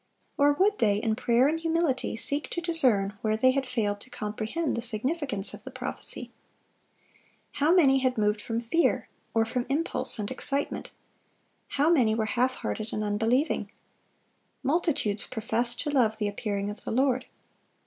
or would they, in prayer and humility, seek to discern where they had failed to comprehend the significance of the prophecy? How many had moved from fear, or from impulse and excitement? How many were half hearted and unbelieving? Multitudes professed to love the appearing of the Lord.